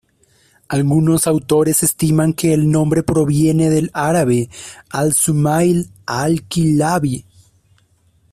Algunos autores estiman que el nombre proviene del árabe "al-Sumayl al-Kilábi".